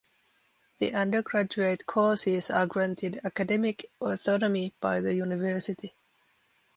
The undergraduate courses are granted academic autonomy by the university.